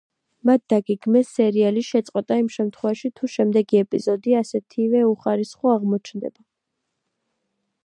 მათ დაგეგმეს სერიალის შეწყვეტა იმ შემთხვევაში, თუ შემდეგი ეპიზოდი ასეთივე უხარისხო აღმოჩნდება.